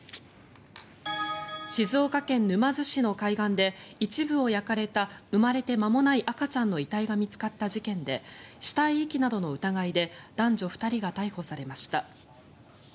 静岡県沼津市の海岸で一部を焼かれた生まれて間もない赤ちゃんの遺体が見つかった事件で死体遺棄などの疑いで男女２人が逮捕されました。